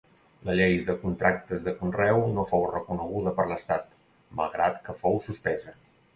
La llei de Contractes de Conreu no fou recorreguda per l'Estat, malgrat que fou suspesa.